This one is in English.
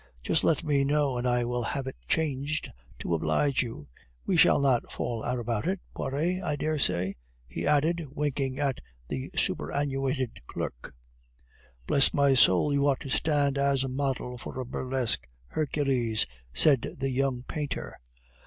Just let me know, and I will have it changed to oblige you... We shall not fall out about it, Poiret, I dare say?" he added, winking at the superannuated clerk. "Bless my soul, you ought to stand as model for a burlesque Hercules," said the young painter.